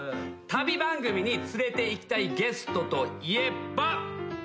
旅番組に連れていきたいゲストといえば？